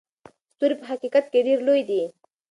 ستوري په حقیقت کې ډېر لوی دي.